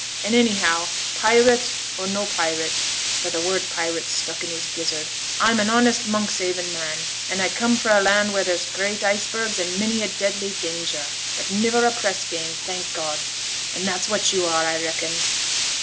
Anyhow, pirate, or no pirate" (for t' word pirate stuck in his gizzard), "I'm a honest Monkshaven man, an' I come fra' a land where there's great icebergs and many a deadly danger, but niver a press gang, thank God! and that's what you are, I reckon."